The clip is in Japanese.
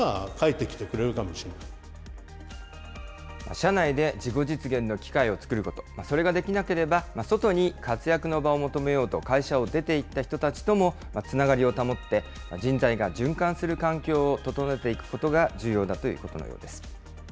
社内で自己実現の機会を作ること、それができなければ、外に活躍の場を求めようと会社を出ていった人たちともつながりを保って、人材が循環する環境を整えていくことが重要だということのようです。